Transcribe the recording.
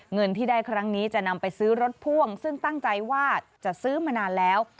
เงินที่ได้ครั้งนี้จะนำไปซื้อรถพ่วงซึ่งตั้งใจว่าจะซื้อมานานแล้ว